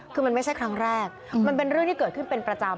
คือมันไม่ใช่ครั้งแรกมันเป็นเรื่องที่เกิดขึ้นเป็นประจำ